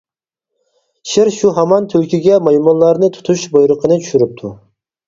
شىر شۇ ھامان تۈلكىگە مايمۇنلارنى تۇتۇش بۇيرۇقىنى چۈشۈرۈپتۇ.